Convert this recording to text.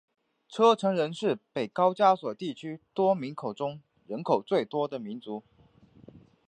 车臣人是北高加索地区众多民族中人口最多的民族。